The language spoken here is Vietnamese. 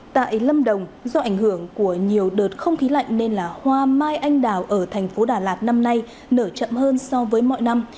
tại lâm đồng do ảnh hưởng của nhiều đợt không khí lạnh nên là hoa mai anh đào ở thành phố đà lạt năm nay nở chậm hơn so với mọi năm